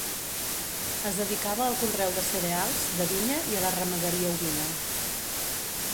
Es dedicava al conreu de cereals, de vinya i a la ramaderia ovina.